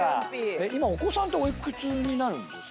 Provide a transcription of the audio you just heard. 今お子さんってお幾つになるんですか？